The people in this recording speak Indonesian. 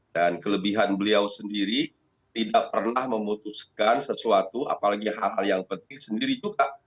dan kelebihan beliau sendiri tidak pernah memutuskan sesuatu apalagi hal hal yang penting sendiri juga